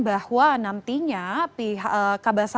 bahwa nantinya pihak tni menegaskan bahwa nantinya